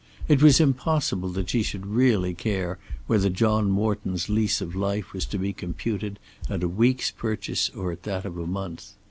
It was impossible that she should really care whether John Morton's lease of life was to be computed at a week's purchase or at that of a month!